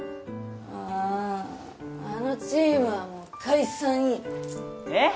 あぁあのチームはもう解散やえっ？